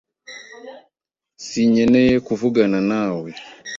Sinkeneye kuvugana nawe.